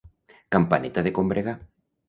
Campaneta de combregar.